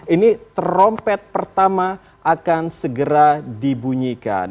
ini trompet pertama akan segera dibunyikan